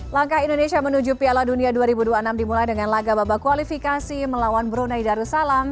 langkah indonesia menuju piala dunia dua ribu dua puluh enam dimulai dengan laga babak kualifikasi melawan brunei darussalam